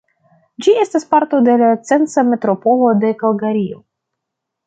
Ĝi estas parto de la Censa Metropolo de Kalgario.